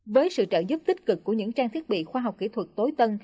với sự trợ giúp tích cực của những trang thiết bị khoa học kỹ thuật tối tân